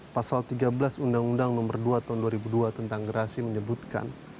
pasal tiga belas undang undang nomor dua tahun dua ribu dua tentang gerasi menyebutkan